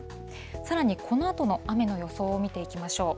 さらにこのあとの雨の予想を見ていきましょう。